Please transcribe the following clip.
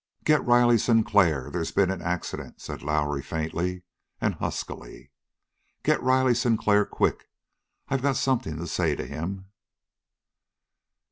"Get Riley Sinclair. There's been an accident," said Lowrie faintly and huskily. "Get Riley Sinclair; quick. I got something to say to him."